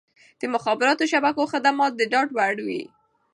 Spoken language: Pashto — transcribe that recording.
د مخابراتي شبکو خدمات د ډاډ وړ وي.